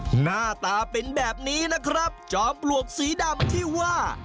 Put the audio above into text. หน้าตาเป็นแบบนี้นะครับจอมปลวกสีดำที่ว่า